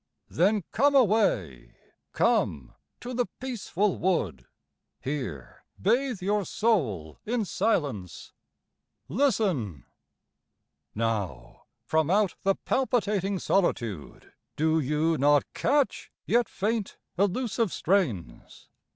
Then come away, come to the peaceful wood, Here bathe your soul in silence. Listen! Now, From out the palpitating solitude Do you not catch, yet faint, elusive strains?